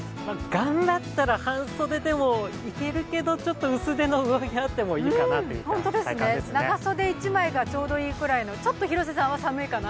頑張ったら半袖でもいけるけどちょっと薄手の上着あっても長袖１枚がちょうどいいぐらいの、ちょっと広瀬さんは寒いかな？